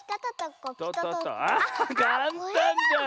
あかんたんじゃん！